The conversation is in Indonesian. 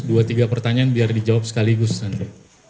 dua tiga pertanyaan biar dijawab sekaligus nanti